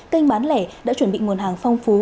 kênh bán lẻ đã chuẩn bị nguồn hàng phong phú